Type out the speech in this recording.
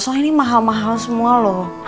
so ini mahal mahal semua loh